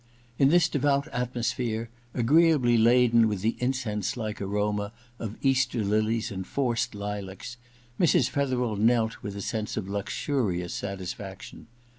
In this devout atmosphere, agreeably laden with the incense like aroma of Easter lilies and forced lilacs, Mrs. Fetherel knelt with a sense of luxurious satisfaction.